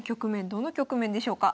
どの局面でしょうか？